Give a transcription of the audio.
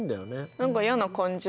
何か嫌な感じだね。